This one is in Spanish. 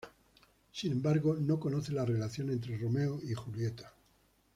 Sin embargo, no conoce la relación entre Romeo y Julieta.